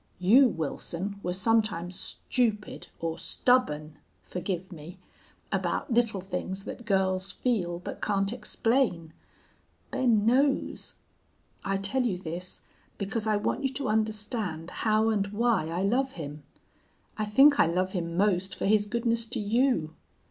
You, Wilson, were sometimes stupid or stubborn (forgive me) about little things that girls feel but can't explain. Ben knows. I tell you this because I want you to understand how and why I love him. I think I love him most for his goodness to you.